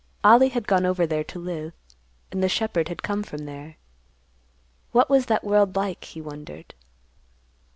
Ollie had gone over there to live, and the shepherd had come from there. What was that world like, he wondered.